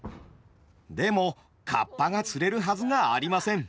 でも河童が釣れるはずがありません。